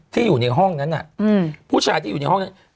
อยู่ในห้องนั้นผู้ชายที่อยู่ในห้องนั้น